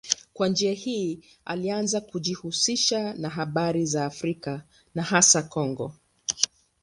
Kwa njia hii alianza kujihusisha na habari za Afrika na hasa Kongo.